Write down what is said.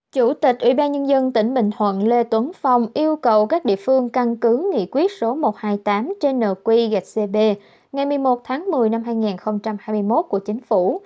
chủ tịch ủy ban nhân dân tỉnh bình thuận lê tuấn phong yêu cầu các địa phương căn cứ nghị quyết số một trăm hai mươi tám trên nờ quy gạch cb ngày một mươi một tháng một mươi năm hai nghìn hai mươi một của chính phủ